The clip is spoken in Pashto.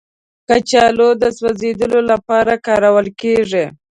کچالو د سوځیدو لپاره کارول کېږي